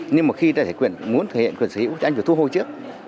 nhưng mà khi ta thể muốn thể hiện quyền sở hữu thì anh phải thu hồi trước